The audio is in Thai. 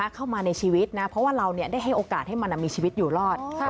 เข้ามาในชีวิตนะเพราะว่าเราได้ให้โอกาสให้มันมีชีวิตอยู่รอด